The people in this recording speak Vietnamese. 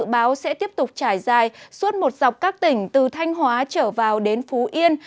dự báo sẽ tiếp tục trải dài suốt một dọc các tỉnh từ thanh hóa trở vào đến phú yên